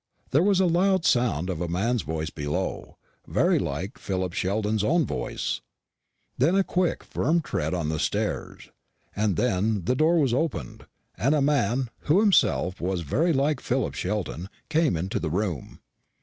There was the sound of a man's voice below, very like Philip Sheldon's own voice; then a quick firm tread on the stairs; and then the door was opened, and a man, who himself was very like Philip Sheldon, came into the room.